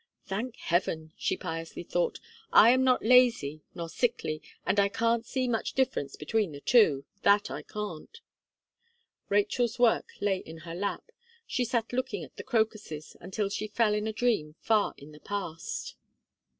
"Thank Heaven!" she piously thought, "I am not lazy, nor sickly, and I can't see much difference between the two that I can't." Rachel's work lay in her lap; she sat looking at the crocuses until she fell in a dream far in the past.